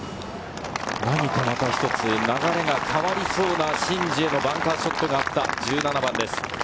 何かまた一つ、流れが変わりそうなシン・ジエのバンカーショットがあった１７番です。